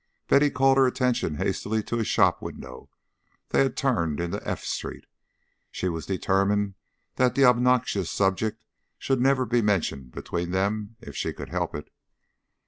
Betty called her attention hastily to a shop window: they had turned into F Street. She was determined that the obnoxious subject should never be mentioned between them if she could help it.